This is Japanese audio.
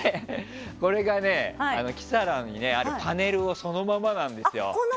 これがキサラにあるパネルそのままなんですよ。